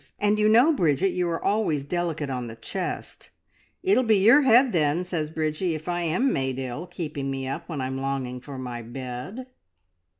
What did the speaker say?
`And you know, Bridget, you are always delicate on the chest.' `It'll be on your head, then,' says Bridgie, `if I am made ill, keeping me up when I'm longing for my bed!